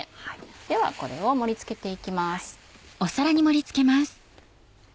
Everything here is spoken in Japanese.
ではこれを盛り付けて行きます。